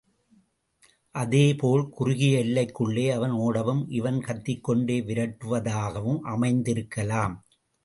அதேபோல் குறுகிய எல்லைக்குள்ளே அவன் ஒடவும், இவன் கத்திக்கொண்டே விரட்டுவதாகவும் அமைந்திருக்கலாம்.